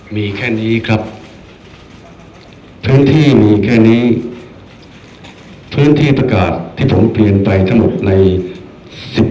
มีแค่นี้ครับพื้นที่มีแค่นี้พื้นที่ประกาศที่ผมเรียนไปทั้งหมดในสิบ